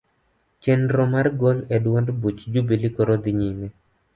Chenro mar gol e duond buch jubilee koro dhi nyime.